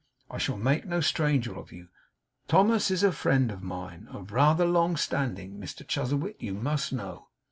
I shall make no stranger of you. Thomas is a friend of mine, of rather long standing, Mr Chuzzlewit, you must know.